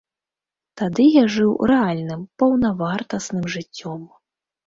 Тады я жыў рэальным, паўнавартасным жыццём.